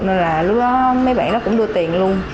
nên là lúc đó mấy bạn nó cũng đưa tiền luôn